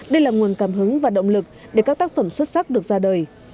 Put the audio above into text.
đây là nguồn cảm hứng và động lực để các tác phẩm xuất sắc được ra đời